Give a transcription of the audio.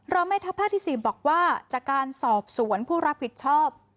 แม่ทัพภาคที่๔บอกว่าจากการสอบสวนผู้รับผิดชอบ